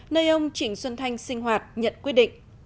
nơi ông trịnh xuân thanh sinh hoạt nhận quyết định